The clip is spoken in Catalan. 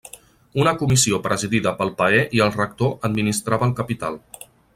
Una comissió presidida pel paer i el rector administrava el capital.